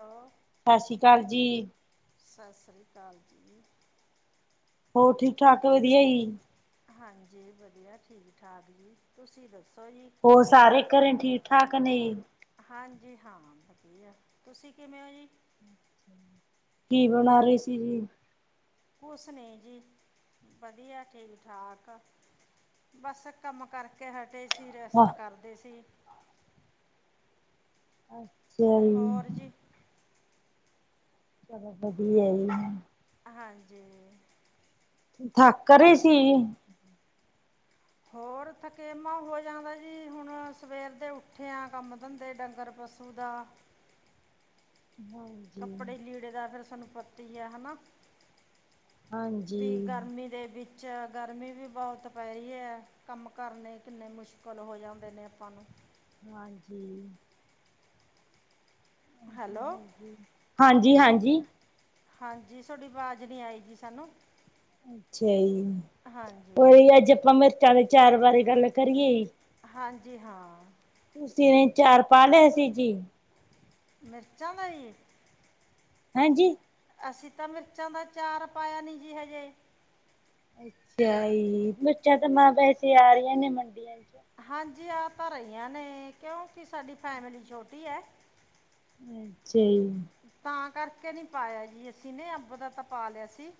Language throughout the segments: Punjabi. ਹੋਰ ਸਤਿ ਸ਼੍ਰੀ ਅਕਾਲ ਜੀ ਸਾਸਰੀ ਕਾਲ ਜੀ ਹੋਰ ਠੀਕ ਠਾਕ ਵਧੀਆ ਜੀ ਹਾਂਜੀ ਵਧੀਆ ਠੀਕ ਠਾਕ ਜੀ ਤੁਸੀਂ ਦੱਸੋ ਜੀ ਹੋਰ ਸਾਰੇ ਘਰੇ ਠੀਕ ਠਾਕ ਨੇ ਜੀ ਹਾਂਜੀ ਹਾਂ ਵਧੀਆ ਤੁਸੀਂ ਕਿਵੇਂ ਓ ਜੀ। [inaudible] ਕੀ ਬਣਾ ਰਹੇ ਸੀ ਜੀ ਕੁਸ ਨੀ ਜੀ ਵਧੀਆ ਠੀਕ ਠਾਕ ਬਸ ਕੰਮ ਕਰਕੇ ਹਟੇ ਸੀ ਵਾਹ ਰੈਸਟ ਕਰਦੇ ਸੀ। ਅੱਛਾ ਜੀ ਹੋਰ ਜੀ ਚਲੋ ਵਧੀਆ ਜੀ ਹਾਂਜੀ ਥੱਕ ਰਹੇ ਸੀ ਜੀ ਹੋਰ ਥੱਕੇਮਾ ਹੋ ਜਾਂਦਾ ਜੀ ਹੁਣ ਸਵੇਰ ਦੇ ਉੱਠੇ ਆ ਕੰਮ ਧੰਦੇ ਡੰਗਰ ਪਸ਼ੂ ਦਾ ਹਾਂਜੀ ਕੱਪੜੇ ਲੀੜੇ ਦਾ ਫਿਰ ਸਾਨੂੰ ਪਤਾ ਈ ਆ ਹੈ ਨਾ ਦੀ ਹਾਂਜੀ ਗਰਮੀ ਦੇ ਵਿੱਚ ਗਰਮੀ ਵੀ ਬਹੁਤ ਪੈ ਰਹੀ ਹੈ। ਕੰਮ ਕਰਨੇ ਕਿੰਨੇ ਮੁਸ਼ਕਿਲ ਹੋ ਜਾਂਦੇ ਨੇ ਆਪਾਂ ਨੂੰ ਹਾਂਜੀ ਹੈਲੋ ਹਾਂਜੀ ਹਾਂਜੀ ਹਾਂਜੀ ਸੋਡੀ ਆਵਾਜ਼ ਨਹੀਂ ਆਈ ਜੀ ਸਾਨੂੰ ਅੱਛਾ ਜੀ ਹਾਂਜੀ ਉਈ ਅੱਜ ਆਪਾਂ ਮਿਰਚਾਂ ਦੇ ਅਚਾਰ ਬਾਰੇ ਗੱਲ ਕਰੀਏ ਜੀ ਹਾਂਜੀ ਹਾਂ ਜਿਵੇਂ ਅਚਾਰ ਪਾ ਲਿਆ ਅਸੀ ਜੀ ਮਿਰਚਾਂ ਦਾ ਜੀ ਹਾਂਜੀ ਅਸੀਂ ਤਾਂ ਮਿਰਚਾਂ ਦਾ ਅਚਾਰ ਪਾਇਆ ਨਹੀਂ ਜੀ ਹਜੇ ਅੱਛਾ ਜੀ ਮਿਰਚਾਂ ਤਾਂ ਨ ਵੈਸੇ ਆ ਰਹੀਆਂ ਨੇ ਮੰਡੀਆਂ 'ਚ ਹਾਂਜੀ ਆਹ ਤਾਂ ਰਹੀਆਂ ਨੇ ਕਿਉਂਕਿ ਸਾਡੀ ਫੈਮਿਲੀ ਛੋਟੀ ਹੈ। ਅੱਛਾ ਜੀ ਤਾਂ ਕਰਕੇ ਨਹੀਂ ਪਾਇਆ ਜੀ ਅਸੀਂ ਨੇ ਅੰਬ ਦਾ ਤਾਂ ਪਾ ਲਿਆ ਸੀ।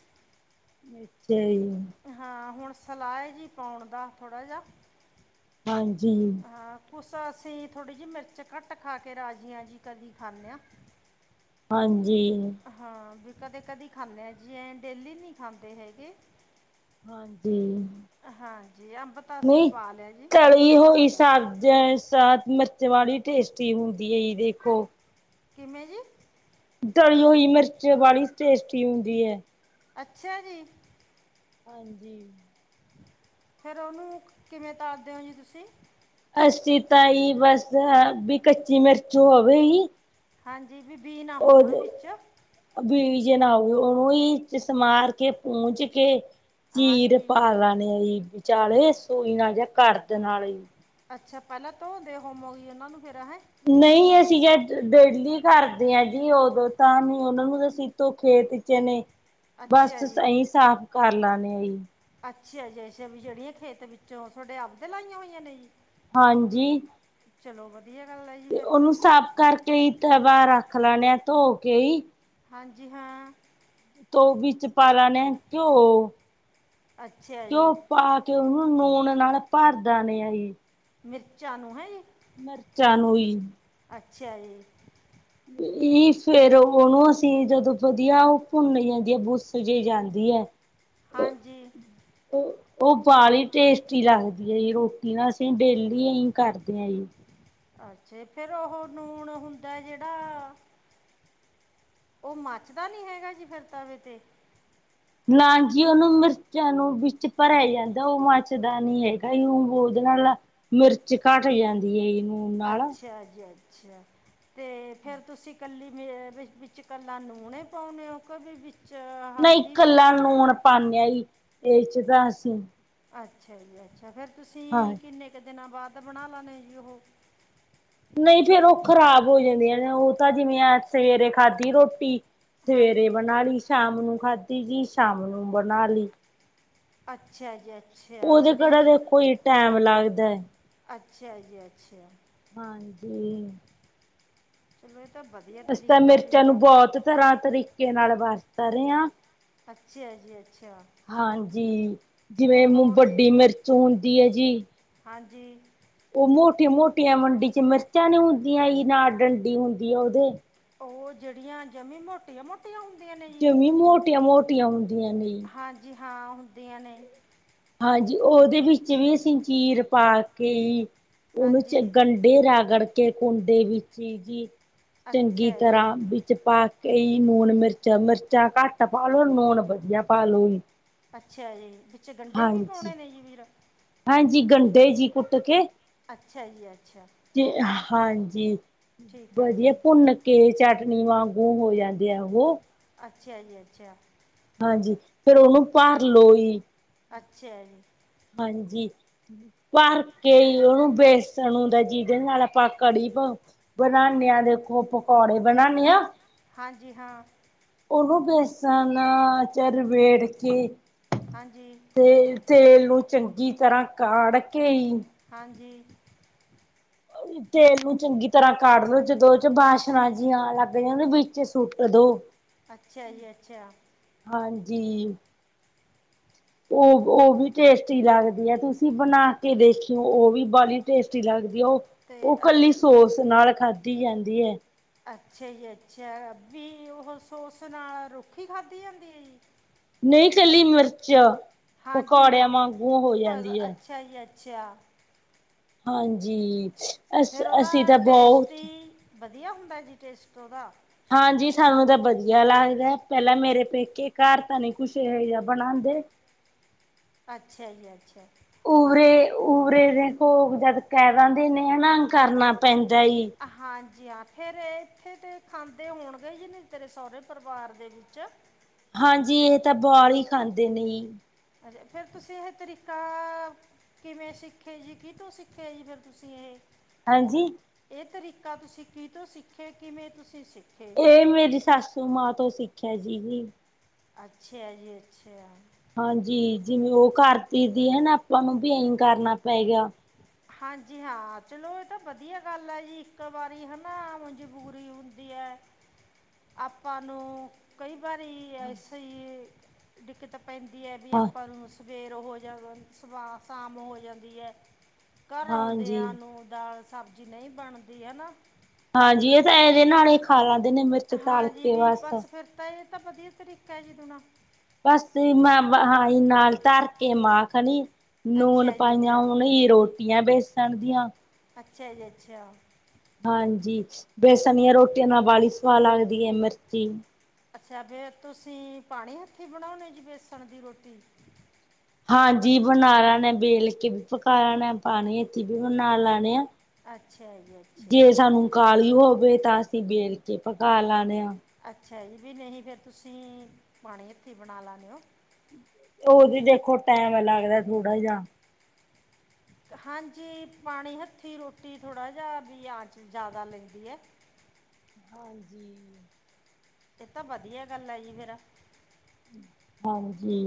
ਅੱਛਾ ਜੀ ਹਾਂ ਹੁਣ ਸਲਾ ਏ ਜੀ ਪਾਉਣ ਦਾ ਥੋੜ੍ਹਾ ਜਿਹਾ ਹਾਂਜੀ ਹਾਂ ਕੁਸ ਅਸੀਂ ਥੋੜ੍ਹੀ ਜਿਹੀ ਮਿਰਚ ਘੱਟ ਖਾ ਕੇ ਰਾਜੀ ਆਂ ਜੀ ਕਦੀ ਖਾਂਨੇ ਹਾਂ। ਹਾਂਜੀ ਹਾਂ ਵੀ ਕਦੇ ਕਦੀ ਖਾਂਦੇ ਆ ਜੀ ਐ ਡੇਲੀ ਨਹੀਂ ਖਾਂਦੇ ਹੈਗੇ ਹਾਂਜੀ ਹਾਂਜੀ ਅੰਬ ਤਾਂ ਅਸੀਂ ਪਾ ਲਿਆ ਜੀ ਮਹੀਨਾ ਸਾਰਾ ਦਾ ਜਏ ਸਾਂ ਮਿਰਚ ਵਾਲੀ ਟੇਸਟੀ ਹੁੰਦੀ ਹੈ ਜੀ ਦੇਖੋ ਕਿਵੇਂ ਜੀ ਤਲੀ ਹੋਈ ਮਿਰਚ ਵਾਲੀ ਟੇਸਟੀ ਹੁੰਦੀ ਹੈ। ਅੱਛਾ ਜੀ ਹਾਂਜੀ ਫੇਰ ਉਹਨੂੰ, ਕਿਵੇਂ ਤਲ ਦੇ ਓ ਜੀ ਤੁਸੀਂ। ਅਸੀਂ ਤਾਂ ਜੀ ਬਸ ਹਾ ਵੀ ਕੱਚੀ ਮਿਰਚ ਹੋਵੇ ਈ। ਹਾਂਜੀ ਵੀ ਬੀ ਨਾ ਹੋਣ ਵਿੱਚ। ਆ ਬੀ ਜੇ ਨਾ ਓਹੀ ਸਮਾਰ ਕੇ ਪੂੰਜ ਕੇ ਚੀਰ ਹਾਂਜੀ ਪਾ ਲੈਣੇ ਆ ਜੀ, ਵਿਚਾਲੇ ਅੱਛ- ਸੂਈ ਨਾਲ ਜਾਂ ਕਰਦ ਨਾਲ ਜੀ। ਅੱਛਾ, ਪਹਿਲਾਂ ਧੋੰਦੇ ਹੋਮੋ ਗੇ ਉਨਾਂ ਨੂੰ ਫਿਰ ਹੈੰ। ਨਈੰ ਅਸੀਂ ਅੱਜ ਡੇਲੀ ਕਰਦੇ ਆਂ ਜੀ ਉਦੋਂ ਤਾਂ ਨਹੀਂ ਉਹਨਾਂ ਨੂੰ ਤਾਂ ਅਸੀਂ। ਤੋਂ ਖੇਤ ਚ ਨੇ ਅੱਛਾ ਬਸ ਜੀ ਅਹੀਂ ਸਾਫ਼ ਕਰ ਲਾਨੇ ਆ ਜੀ। ਅੱਛਾ ਜੀ ਅੱਛਾ, ਵੀ ਜਿਹੜੀਆਂ ਖੇਤ ਵਿੱਚ ਓ ਥੋਡੇ ਆਪਦੇ ਲਾਈਆਂ ਹੋਈਆਂ ਨੇ ਜੀ। ਹਾਂਜੀ। ਚਲੋ ਵਧੀ। ਧੀਆ ਗੱਲ ਐ। ਤੇ ਉਹਨੂੰ ਸਾਫ਼ ਕਰਕੇ ਈ ਤਵਾ ਰੱਖ ਲੈਨੇ ਆ ਧੋ ਕੇ ਈ। ਹਾਂਜੀ ਹਾਂ। ਤੋਂ ਵਿੱਚ ਪਾ ਲੈਨੇ ਘਿਉ, ਅੱਛਾ ਘਿਉ ਜੀ ਪਾ। ਤੇ ਓਨੂੰ ਲੂਣ ਨਾਲ ਭਰ ਦਾਨੇ ਆ ਜੀ। ਮਿਰਚਾਂ ਨੂੰ ਨਾ ਜ। ਮਿਰਚਾਂ ਨੂੰ ਈ। ਅੱਛਾ ਜੀ। ਏ ਫਿਰ ਉਹਨੂੰ ਅਸੀਂ ਜਦੋਂ ਵਧੀਆ ਉਹ ਭੁੰਨ ਜਾਂਦੀ ਆ, ਬੁੱਸ ਜੇ ਜਾਂਦੀ ਐ। ਹਾਂਜੀ। ਓ ਉਹ ਵਾਲੀ ਟੇਸਟੀ ਲੱਗਦੀ ਏ ਜੀ ਰੋਟੀ ਨਾ ਅਸੀਂ ਡੇਲੀ ਅਹੀਂ ਕਰਦੇ ਆਂਜੀ। ਅੱਛਾ, ਫਿਰ ਉਹੋ ਨੂਨ ਹੁੰਦਾ ਜਿਹੜਾ ਉਹ ਮੱਚਦਾ ਨੀ ਹੈਗਾ ਜੀ ਫਿਰ ਤਵੇ ਤੇ ਨਾਜੀ ਉਹਨੂੰ ਮਿਰਚਾਂ ਨੂੰ ਵਿੱਚ ਭਰਿਆ ਜਾਂਦਾ ਉਹ ਮੱਚਦਾ ਨੀ ਹੈਗਾ, ਉਹ ਬੋਦ ਨਾਲ ਮਿਰਚ ਘੱਟ ਜਾਂਦੀ ਐ ਜੀ। ਨਾਲ ਅੱਛਾ ਜੀ ਅੱਛਾ। ਤੇ ਫਿਰ ਤੁਸੀਂ ਕੱਲੀ ਏਏ ਵਿੱਚ ਕੱਲਾ ਨੂਨ ਈ ਪਾਉਣੇ ਓ ਕਿ ਵਿੱਚ ਚ ਹਲਦੀ ਵੀ ਮਲੋਨੇ ਓ। ਪਾਨੇ ਆ ਜੀ ਇਹ ਚ ਤਾ ਅਸੀਂ। ਅੱਛਾ ਜੀ ਅੱਛਾ, ਫਿਰ ਹਾਂ ਤੁਸੀਂ ਕਿੰਨੇ ਕੁ ਦਿਨਾਂ ਬਾਅਦ ਬਣਾ ਲੈਨੇ ਜੀ ਉਹੋ? ਨਈਂ ਫੇਰ ਉਹ ਖ਼ਰਾਬ ਹੋ ਜਾਂਦੀਆਂ ਨੇ, ਉਹ ਤਾਂ ਜਿਵੇਂ ਅੱਜ ਸਵੇਰੇ ਖਾਧੀ ਰੋਟੀ ਸਵੇਰੇ ਹਾਂਜੀ ਬਣਾ ਲਈ ਸ਼ਾਮ ਨੂੰ ਖਾਧੀ ਜੀ ਸ਼ਾਮ ਨੂੰ ਬਣਾ ਲਈ। ਅੱਛਾ ਜੀ ਅ। ਉਹਦੇ ਕਿਹੜਾ ਦੇਖੋ ਜੀ ਟੈਮ ਲੱਗਦੈ। ਅੱਛਾ ਜੀ ਅੱਛਾ। ਹਾਂਜੀ। ਚਲੋ ਇਹ ਤਾਂ ਵਧੀਆ ਅਸੀਂ ਤਾਂ ਤਰੀਕਾ ਜੀ ਮਿਰਚਾਂ ਫਿਰ। ਨੂੰ ਬਹੁਤ ਤਰ੍ਹਾਂ ਤਰੀਕੇ ਨਾਲ ਵਰਤ ਰੇ ਆਂ। ਅੱਛਾ ਜੀ ਅੱਛਾ ਹਾਂਜੀ, ਜਿਵੇਂ ਫਿਰ ਹੋ ਮ ਵੱਡੀ ਮਿਰਚ। ਚੋਂਦੀ ਐ ਜੀ। ਹਾਂਜੀ। ਉ ਮੋਟੀਆਂ-ਮੋਟੀਆਂ ਮੰਡੀ ਚ ਮਿਰਚਾਂ ਨੀ ਹੁੰਦੀਆਂ ਜੀ, ਨਾਲ ਡੰਡੀ ਹੁੰਦੀ ਆ ਉਹਦੇ। ਉਹ ਜਿਹੜੀਆਂ ਜਮੀ ਮੋਟੀਆਂ-ਮੋਟੀਆਂ ਜ਼ਮੀਂ ਮੋਟੀਆਂ- ਮੋਟੀਆਂ ਹੁੰਦੀਆਂ ਨੇ ਜੀ। ਹਾਂਜੀ, ਹਾਂ ਹੁੰਦੀਆਂ ਨੇ। ਹਾਂਜੀ ਉਹਦੇ ਵਿੱਚ ਵੀ ਅਸੀਂ ਚੀਰ ਪਾ ਕੇ ਜੀ ਉਹਨੂੰ ਚ ਹਾਂਜੀ ਗੰ ਡੇ ਰਗੜ ਕੇ ਕੁੰਡੇ ਵਿੱਚ ਜੀ ਚੰਗੀ ਅੱਛਾ ਜੀ ਤਰਾਂ, ਵਿੱਚ ਪਾ ਤੇ ਜੀ ਨੂਨ ਮਿਰਚਾਂ- ਮਿਰਚਾਂ ਘੱਟ ਪਾ ਲੋ ਲੂਣ ਵਧੀਆ ਪਾਲੋ ਜੀ। ਅੱਛਾ ਜੀ, ਵਿੱਚ ਗੰਡੇ ਵੀ ਹਾਂਜੀ ਪਾਉਣੇ ਨੇ ਜੀ ਵੀਰ ਹਾਂਜੀ ਗੰਡੇ ਜੀ ਕੁੱਟ ਕੇ ਅੱਛਾ ਜੀ ਅੱਛਾ। ਹਾਂਜੀ, ਠੀਕ ਹੈ ਵਧੀਆ ਜੀ ਭੁੰਨ ਕੇ, ਚਟਨੀ ਵਾਂਗੂ ਹੋ ਜਾਂਦੇ ਆ ਉਹ ਅੱਛਾ ਜੀ ਅੱਛਾ। ਹਾਂਜੀ, ਫਿਰ ਉਹਨੂੰ ਭਰ ਲਓ ਜੀ। ਅੱਛਾ ਜੀ। ਹਾਂਜੀ। ਭਰ ਕੇ ਜੀ ਉਹਨੂੰ ਬੇਸਣ ਹੁੰਦਾ ਜਿਹਦੇ ਆਪਾਂ ਕੜੀ ਬਾ ਬਣਾਨੇ ਆ ਦੇਖੋਂ, ਪਕੌੜੇ ਬਣਾਨੇ ਆ। ਹਾਂਜੀ ਹਾਂ। ਉਹਨੂੰ ਬੇਸਣ ਚ ਲਬੇੜ ਕੇ ਹਾਂਜੀ। ਤੇ ਤੇਲ ਨੂੰ ਚੰਗੀ ਤਰਾਂ ਕਾੜ ਕੇ ਹੀ ਹਾਂਜੀ ਤੇਲ ਨੂੰ ਚੰਗੀ ਤਰਾਂ ਕਾਢ ਲੋੋ ਜਦੋ ਉਹ ਚੋ ਬਾਸ਼ਣਾ ਜਿ ਆਣ ਲੱਗ ਜੇ ਨਾ ਵਿੱਚ ਸੁੱਟ ਦੋ। ਅੱਛਾ ਜੀ ਅੱਛਾ। ਹਾਂਜੀ। ਓ ਉਹ ਵੀ ਟੇਸਟੀ ਲੱਗਦੀ ਆ, ਤੁਸੀਂ ਬਣਾ ਕੇ ਦੇਖਿਓ ਉਹ ਵੀ ਬਾਲੀ ਟੇਸਟੀ ਲੱਗਦੀ ਆ ਓ ਤੇ ਓ ਕੱਲੀ ਅਸੀਂ ਸੋਸ ਨਾਲ ਖਾਂਦੀ ਜਾਂਦੀ ਐ। ਅੱਛਾ ਜੀ ਅੱਛਾ, ਵੀ ਉਹ ਸੋਸ ਨਾਲ ਰੁੱਖੀ ਖਾਂਦੀ ਜਾਂਦੀ ਐ ਜੀ। ਨਈ ਕੱਲੀ ਮਿਰਚ ਹਾਂਜੀ ਮਿਰ ਪਕੌੜਿਆਂ ਵਾਂਗੂੰ ਹੋ ਜਾਂਦੀ ਭ- ਐ। ਅੱਛਾ ਜੀ ਅੱਛਾ। ਹਾਂਜੀ। ਅਸ ਫਿਰ ਅਸੀਂ ਉਹਦਾ ਤਾਂ ਟੇਸਟ ਬਹੁਤ ਜੀ, ਵਧੀਆ ਹੁੰਦਾ ਐ ਜੀ ਟੇਸਟ ਉਹਦਾ ਹਾਂਜੀ ਸਾਨੂੰ ਤਾਂ ਵਧੀਆ ਲੱਗਦਾ, ਪਹਿਲਾਂ ਮੇਰੇ ਪੇਕੇ ਘਰ ਤਾਂ ਨਹੀਂ ਕੁੱਛ ਇਹੋ ਜਾ ਬਣਾਦੇ। ਅੱਛਾ ਜੀ ਅੱਛਾ। ਉਵਰੇ ਉਵਰੇ ਦੇ ਘੋਗ ਜਦ ਕਹਿ ਦਿੰਦੇ ਨੇ ਨਾ ਕਰਨਾ ਪੈਂਦਾ ਐ ਜੀ। ਹਾਂਜੀ ਹਾਂ ਫਿਰ ਇੱਥੇ ਤਾਂ ਖਾਂਦੇ ਹੋਣਗੇ ਜੀ ਨੀ ਤੇਰੇ ਸਹੁਰੇ ਪਰਿਵਾਰ ਦੇ ਵਿੱਚ ਹਾਂਜੀ ਇਹ ਤਾਂ ਬਾਲੀ ਈ ਖਾਂਦੇ ਨੇ ਜੀ। ਅਜੇ, ਫੇਰ ਤੁਸੀਂ ਇਹ ਤਰੀਕਾ ਕਿਵੇਂ ਸਿੱਖਿਆ ਜੀ ਕੀਤੋਂ ਸਿੱਖਿਆ ਜੀ ਫਿਰ ਤੁਸੀਂ ਇਹ ਹਾਂਜੀ ਇਹ ਤਰੀਕਾ ਤੁਸੀਂ ਕੀਤੋਂ ਸਿੱਖੇ, ਕਿਵੇਂ ਤੁਸੀਂ ਸਿੱਖ ਇਹ ਮੇਰੀ ਸਾਸੂ ਮਾਂ ਤੋਂ ਸਿੱਖਿਆ ਐ ਜੀ ਇਹ ਅੱਛਾ ਜੀ ਅੱਛਾ। ਹਾਂਜੀ ਜਿਵੇਂ ਉਹ ਕਰਤੀ ਦੀ ਹਨਾ ਆਪਾਂ ਨੂੰ ਵੀ ਐ ਈ ਕਰਨਾ ਪਏਗਾ। ਹਾਂਜੀ ਹਾ ਚਲੋ ਬੇਟਾ ਵਧੀਆ ਗੱਲ ਐ ਜੀ ਇੱਕ ਵਾਰੀ ਹਨਾ ਮਜ਼ਬੂਰੀ ਹੁੰਦੀ ਐ। ਆਪਾਂ ਨੂੰ ਕਈ ਵਾਰੀ ਐਸੇ ਈ ਦਿੱਕਤ ਪੈਂਦੀ ਐ ਵੀ ਆਪਾਂ ਨੂੰ ਸਵੇਰ ਦੇਰ ਹੋ ਜਾ ਸ਼ਾਮ ਹੋ ਜਾਂਦੀ ਐ। ਘਰ ਹਾਂਜੀ। ਆਉਦਿਆ ਨੂੰ ਦਾਲ ਸਬਜ਼ੀ ਨਈ ਬਣਦੀ ਹਨਾ। ਹਾਂਜੀ ਇਹ ਤਾਂ ਇਹਦੇ ਨਾਲ ਈ ਖਾ ਲੈਂਦੇ ਨੇ ਮਿਰਚ ਤਲ ਹਾਂਜੀ ਕੇ ਵੀ ਬਸ ਫਿਰ ਤਾਂ ਇਹ ਤਾਂ ਵਧੀਆ ਤਰੀਕਾ ਐ ਜੀ ਦੁਣਾ ਬਸ ਮੈਂ ਹਾ ਜੀ ਨਾਲ ਧਰ ਕੇ ਮਾਖਣੀ ਨੂਨ ਅੱਛਾ ਜੀ ਪਾਈਆਂ ਅੱਛਾ ਹੋਣ ਜੀ ਰੋਟੀਆਂ ਬੇਸਣ ਦੀਆਂ ਅੱਛਾ ਜੀ ਅੱਛਾ ਹਾਂਜੀ, ਬੇਸਣੀਆਂ ਰੋਟੀਆਂ ਨਾਲ ਵਾਲੀ ਸਵਾਦ ਲੱਗਦੀ ਐ ਮਿਰਚ ਜੀ। ਅੱਛਾ ਫੇਰ ਤੁਸੀਂ ਪਾਣੀ ਹੱਥੀਂ ਬਣਾਉਣੇ ਔ ਜੀ ਬੇਸਣ ਦੀ ਰੋਟੀ? ਹਾਂਜੀ ਬਣਾ ਲੇਨੇ ਆ ਵੇਲ ਕੇ ਵੀ ਪਕਾ ਲੈਣੇ ਆ ਪਾਣੀ ਹੱਥੀ ਵੀ ਬਣਾ ਲੈਣੇ ਆ। ਅੱਛਾ ਜੀ ਅੱਛਾ ਜੇ ਸਾਨੂੰ ਕਾਲੀ ਹੋਵੇ ਤਾਂ ਅਸੀਂ ਵੇਲ ਕੇ ਪਕਾ ਲੈ ਆਨੇ ਆ। ਅੱਛਾ ਜੀ ਵੀ ਨਹੀਂ ਫਿਰ ਤੁਸੀਂ ਪਾਣੀ ਹੱਥੀਂ ਬਣਾ ਲੇਨੇ ਔ। ਉਹ ਜੀ ਦੇਖੋ ਟੈਮ ਲੱਗਦਾ ਥੋੜ੍ਹਾ ਜਾ। ਹਾਂਜੀ ਪਾਣੀ ਹੱਥੀਂ ਰੋਟੀ ਥੋੜ੍ਹਾ ਜਿਹਾ ਵੀ ਆਂਚ ਜ਼ਿਆਦਾ ਲੈਂਦੀ ਏ। ਹਾਂਜੀ, ਇਹ ਤਾਂ ਵਧੀਆ ਗੱਲ ਏ ਜੀ ਫੇਰ। ਹਾਂਜੀ,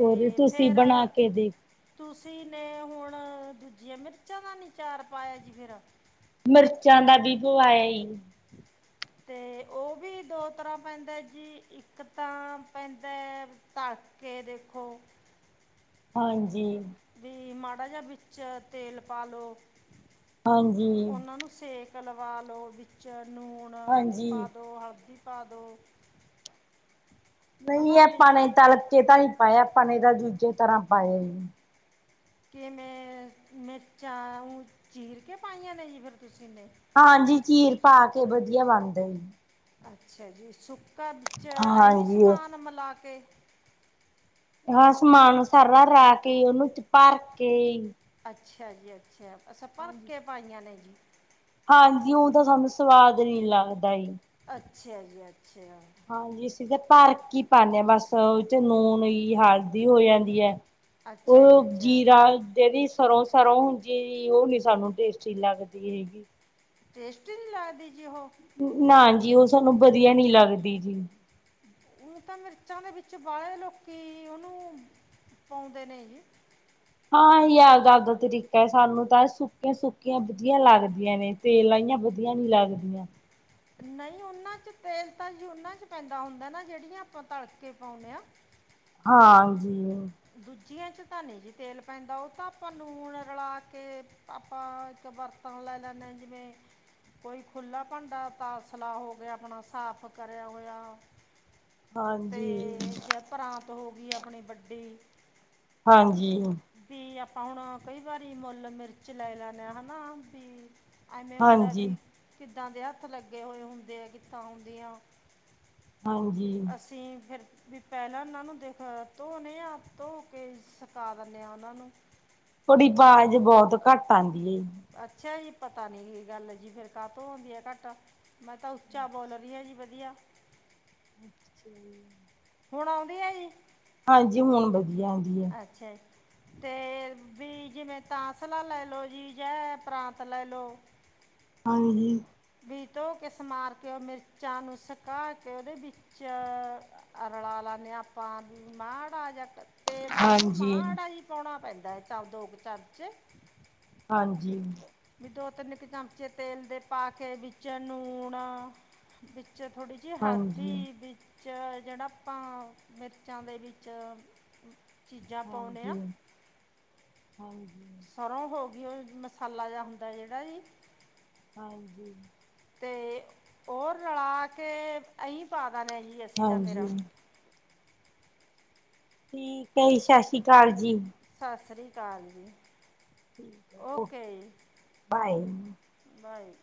ਹੋਰ ਤੁਸੀਂ ਫੇਰ ਬਣਾ ਕੇ ਦੇਖ ਤੁਸੀਂ ਨੇ ਹੁਣ ਦੂਜੀਆਂ ਮਿਰਚਾਂ ਦਾ ਨੀ ਚਾਰ ਪਾਇਆ ਜੀ ਫੇਰ? ਮਿਰਚਾਂ ਦਾ ਵੀ ਪੁਵਾਈਆ ਜੀ। ਤੇ ਉਹ ਵੀ ਦੋ ਤਰ੍ਹਾਂ ਪੈਂਦਾ ਜੀ, ਇੱਕ ਤਾਂ ਪੈਂਦਾ ਏ ਤਲ ਕੇ ਦੇਖੋ। ਹਾਂਜੀ, ਵੀ ਮਾੜਾ ਵਿੱਚ ਤੇਲ ਪਾ ਲਉ, ਹਾਂਜੀ, ਉਹਨਾਂ ਨੂੰ ਸੇ ਕੇ ਲਵਾਂ ਲਉ ਵਿੱਚ ਨੂਣ ਹਾਂਜੀ। ਪਾਦੋ ਹਲਦੀ ਪਾਦੋ। ਨਹੀਂ ਵੀ ਆਪਾਂ ਨੇ ਤਲਕੇ ਤਾਂ ਨੀ ਪਾਇਆ ਆਪਾਂ ਨੇ ਤਾਂ ਦੂਜੇ ਤਰ੍ਹਾਂ ਪਾਇਆ ਜੀ। ਕਿਮੇਂ ਮਿਰਚਾਂ ਓ ਚੀਰ ਕੇ ਪਾਈਆਂ ਨੇ ਜੀ ਫਿਰ ਤੁਸੀਂ ਨੇ। ਹਾਂਜੀ ਚੀਰ ਪਾ ਕੇ ਵਧੀਆ ਬਣਾ ਦਾ ਏ ਜੀ। ਅੱਛਾ ਜੀ ਸੁੱਕਾ ਵਿੱਚ ਐਵੀਂ ਹਾਂਜੀ ਸਮਾਨ ਮਿਲਾ ਕੇ, ਹਾਂ ਸਮਾਨ ਸਾਰਾ ਰਲਾ ਕੇ ਉਹਨੂੰ ਭਰ ਕੇ ਜੀ। ਅੱਛਾ ਜੀ ਅੱਛਾ ਅੱਛਾ ਭਰ ਕੇ ਪਾਈਆਂ ਨੇ ਜੀ। ਹਾਂ ਜੀ ਊਂ ਤਾਂ ਸਾਨੂੰ ਸਵਾਦ ਨੀ ਲੱਗਦਾ ਜੀ। ਅੱਛਿਆ ਜੀ ਅੱਛਿਆ। ਹਾਂਜੀ ਅਸੀਂ ਤਾਂ ਭਰ ਕੇ ਈ ਪਾਨੇ ਆਂ ਬਸ ਇਹ ਚ ਨੂਨ ਨਈਂ ਹਲਦੀ ਹੋ ਜਾਂਦੀ ਐ, ਅੱਛਾ ਜੀ ਉਹ ਅੱਛਾ ਜੀਰਾ ਆ ਜਿਹੜੀ ਸਰੋਂ ਸਰੋਂ ਹੁੰਦੀ ਆ ਜੀ ਉਹ ਨੀ ਸਾਨੂੰ ਟੇਸਟੀ ਲੱਗਦੀ ਹੈਗੀ। ਟੇਸਟ ਨੀਂ ਲੱਗਦੀ ਜੀ ਉਹੋ? ਨਾ ਜੀ ਉਹ ਸਾਨੂੰ ਵਧੀਆ ਨੀ ਲੱਗਦੀ ਜੀ। ਊਂ ਤਾਂ ਮਿਰਚਾਂ ਦੇ ਵਿੱਚ ਬਾਹਲੇ ਲੋਕੀਂ ਉਹਨੂੰ ਪਾਉਂਦੇ ਨੇ ਜੀ। ਹਾਂ ਉਹੀ ਆਵਦਾ ਆਵਦਾ ਤਰੀਕਾ ਸਾਨੂੰ ਤਾਂ ਸੁੱਕੀਆਂ ਸੁੱਕੀਆਂ ਵਧੀਆ ਲੱਗਦੀਆਂ ਨੇ। ਤੇਲ ਆਈਆਂ ਵਧੀਆ ਨੀ ਲੱਗਦੀਆਂ। ਨਹੀਂ ਉਹਨਾਂ 'ਚ ਤੇਲ ਤਾਂ ਜੀ ਉਹਨਾਂ ਚ ਪੈਂਦਾ ਹੁੰਦਾ ਨਾ ਜਿਹੜੀਆਂ ਆਪਾਂ ਤਲਕੇ ਪਾਉਂਨੇ ਆਂ। ਹਾਂ ਜੀ, ਦੂਜੀਆਂ 'ਚ ਤਾਂ ਨੀ ਜੀ ਤੇਲ ਪੈਂਦਾ ਉਹ ਤਾਂ ਆਪਾਂ ਲੂਣ ਰਲਾ ਕੇ ਆਪਾਂ ਇੱਕ ਬਰਤਨ ਲੈ ਲੈਂਨੇ ਆ ਜਿਵੇਂ ਕੋਈ ਖੁੱਲਾ ਪਾਂਦਾ ਤਾ ਸਲਾ ਹੋ ਗਿਆ ਆਪਣਾ ਸਾਫ਼ ਕਰਿਆ ਹੋਇਆ ਏ। ਹਾਂ ਜੀ। ਜੇ ਪਰਾਤ ਹੋ ਗੀ ਆਪਣੀ ਵੱਡੀ। ਹਾਂ ਜੀ। ਵੀ ਆਪਾਂ ਹੁਣ ਕਈ ਵਾਰੀ ਮੁੱਲ ਮਿਰਚ ਲੈ ਲੈਨੇਂ ਆ ਹਨਾ ਬੀ। ਐਵੇਂ ਹੁੰਦਾ ਵੀ ਕਿੱਦਾਂ ਦੇ ਹੱਥ ਲੱਗੇ ਹੋਏ ਹੁੰਦੇ ਆ ਕਿੱਥੋਂ ਆਂਦੀਆਂ। ਹਾਂ ਜੀ। ਤੇ ਫੇਰ, ਵੀ ਪਹਿਲਾਂ ਉਹਨਾਂ ਨੂੰ ਦੇਖ ਧੋਣੇ ਆ ਧੋ ਕੇ ਸੁਕਾ ਦਿੰਨੇ ਆ ਉਹਨਾਂ ਨੂੰ। ਤੁਹਾਡੀ ਵਾਜ਼ ਬੋਤ ਘੱਟ ਆਂਦੀ ਏ। ਅੱਛਾ ਜੀ ਪਤਾ ਨੀ ਕੀ ਗੱਲ ਏ ਜੀ ਫੇਰ ਕਾਹਤੋਂ ਆਉਂਦੀ ਆ ਘੱਟ। ਮੈਂ ਤਾਂ ਉੱਚਾ ਬੋਲ ਰਹੀ ਆ ਜੀ ਵਧੀਆ। ਅੱਛਾ ਜੀ। ਹੁਣ ਆਉਂਦੀ ਆ ਜੀ? ਹਾਂਜੀ ਹੁਣ ਵਧੀਆ ਆਉਦੀ ਏ। ਅੱਛਾ। ਤੇ ਵੀ ਜਿਵੇਂ ਤਾਸਲਾ ਲੈਲੋ ਜੀ ਜਹ ਪਰਾਤ ਲੈ ਲੋ। ਹਾਂਜੀ। ਵੀ ਧੋ ਕੇ ਸਮਾਰ ਕੇ, ਉਹ ਮਿਰਚਾਂ ਨੂੰ ਸੁਕਾ ਕੇ ਉਹਦੇ ਵਿੱਚ ਰਲਾ ਲੈ ਲੇ ਨੇ ਅਹ ਆਪਾਂ ਵੀ ਮਾੜਾ ਜਾ ਕਰ। ਤੇਲ ਤਾਂ ਜੀ ਹਾਂਜੀ। ਹਾਂਜੀ, ਮਾੜਾ ਹੀ ਪਾਉਣਾ ਪੈਂਦਾ ਤਾਂ ਦੋ ਕੁ ਚਮਚੇ। ਹਾਂਜੀ। ਵੀ ਦੋ- ਤਿੰਨ ਕੁ ਚਮਚੇ ਤੇਲ ਦੇ ਪਾ ਕੇ ਵਿੱਚ ਨੂਣ ਵਿੱਚ ਥੋੜੀ ਜੀ ਹਾਂਜੀ, ਹਲਦੀ ਵਿੱਚ 'ਚ ਜਿਹੜਾ ਆਪਾਂ ਮਿਰਚਾਂ ਦੇ ਵਿੱਚ ਚੀਜ਼ਾਂ ਪਾਉਂਦੇ ਆ ਹਾਂਜੀ ਹਾਂ। ਸਰੋਂ ਹੋ ਗਈ ਉਹ ਮਸਾਲਾ ਜਾ ਹੁੰਦਾ ਜਿਹੜਾ ਜੀ ਹਾਂਜੀ। ਤੇ ਉਹ ਰਲਾ ਕੇ ਐਂਈ ਪਾ ਦੇਣੇ ਆ ਜੀ ਅਸੀਂ ਤਾਂ ਫੇਰ। ਹਾਂਜੀ ਠੀਕ ਹੈ ਜੀ, ਸਤਿ ਸ਼੍ਰੀ ਅਕਾਲ ਜੀ। ਸਤਿ ਸ਼੍ਰੀ ਅਕਾਲ ਜੀ, ਠੀਕ ਐ ਓਕੇ ਜੀ। ਬਾਏ। ਬਾਏ।